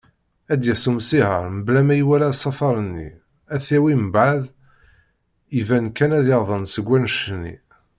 Ad d-yas umsiher mebla ma iwala asafar-nni, ad t-yawi, mbaɛd iban kan ad yaḍen seg wanect-nni.